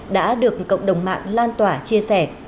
đã được cộng đồng mạng lan tỏa chia sẻ